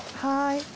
はい。